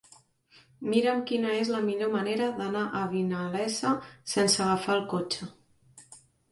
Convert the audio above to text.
Mira'm quina és la millor manera d'anar a Vinalesa sense agafar el cotxe.